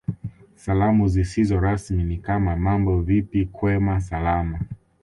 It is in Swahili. Salamu zisizo rasmi ni kama Mambo vipi kwema Salama